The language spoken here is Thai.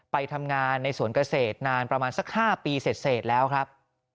ไปทำงานในสวนเกษตรนานประมาณสัก๕ปีเสร็จแล้วครับ